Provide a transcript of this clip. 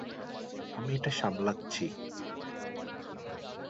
আমি এটা সামলাচ্ছি।